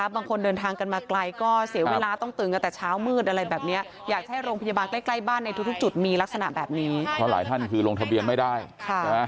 บางคนเดินทางกันมาไกลก็เสียเวลาต้องตื่นกจนแต่เช้า